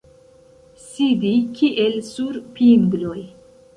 Sidi kiel sur pingloj.